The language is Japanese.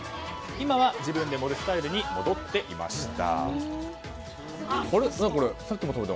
今は自分で盛るスタイルに戻っていました。